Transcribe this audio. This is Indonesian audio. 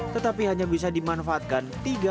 tetapi hanya bisa dimanfaatkan